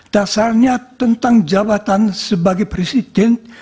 dasarnya tentang jabatan sebagai presiden